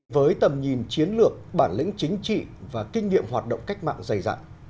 với tầm nhìn chiến lược bản lĩnh chính trị và kinh nghiệm hoạt động cách mạng dày dạng